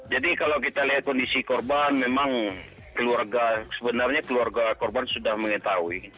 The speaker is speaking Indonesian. jadi kalau kita lihat kondisi korban memang keluarga sebenarnya keluarga korban sudah mengetahui